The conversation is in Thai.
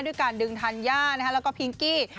ด้วยการดึงธัญญาแล้วก็พิงกี้